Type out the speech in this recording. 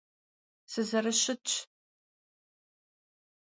Sızerışıtş.